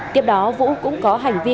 tiếp đó vũ cũng có hành vi